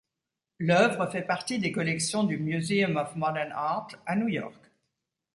L'œuvre fait partie des collections du Museum of Modern Art, à New York.